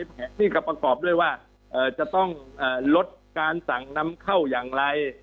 แผนนี่ก็ประกอบด้วยว่าจะต้องลดการสั่งนำเข้าอย่างไร